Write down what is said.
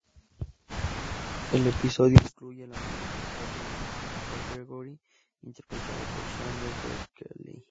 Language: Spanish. El episodio incluye la muerte del personaje principal Gregory, interpretado por Xander Berkeley.